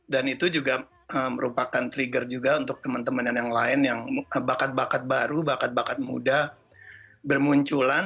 dan itu juga merupakan trigger juga untuk teman teman yang lain yang bakat bakat baru bakat bakat muda bermunculan